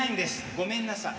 ごめんなさい。